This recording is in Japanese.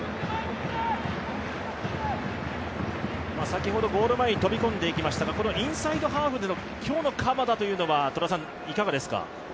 先ほどゴール前に飛び込んでいきましたがこのインサイドハーフでの今日の鎌田はいかがですか？